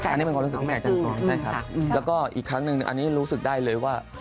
อันนี้เป็นความรู้สึกของแม่จังกรแล้วก็อีกครั้งอื่นอันนี้รู้สึกได้เลยว่า